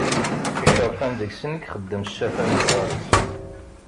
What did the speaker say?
Iceṛfan, deg-sen i ixeddem ccafan lɣar-is.